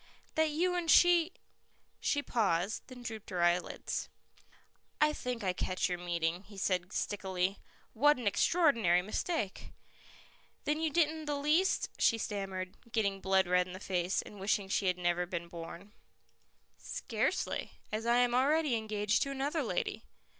"That you and she " She paused, then drooped her eyelids. "I think I catch your meaning," he said stickily. "What an extraordinary mistake!" "Then you didn't the least " she stammered, getting blood red in the face, and wishing she had never been born. "Scarcely, as I am already engaged to another lady."